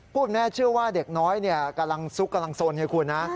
แม่เชื่อว่าเด็กน้อยกำลังซุกกำลังสนให้คุณนะ